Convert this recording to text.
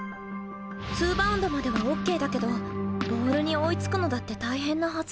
ツーバウンドまではＯＫだけどボールに追いつくのだって大変なはず。